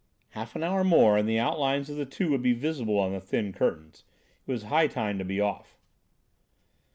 Half an hour more and the outlines of the two would be visible on the thin curtains. It was high time to be off.